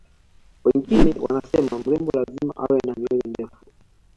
wengine wanasema mrembo lazima awe na nywele ndefu